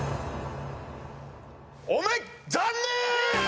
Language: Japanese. おめ残念！